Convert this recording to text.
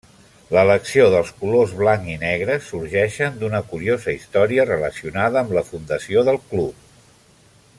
L'elecció dels colors blanc-i-negres sorgeixen d'una curiosa història relacionada amb la fundació del club.